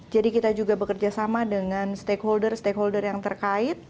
jadi kita juga bekerja sama dengan stakeholder stakeholder yang terkait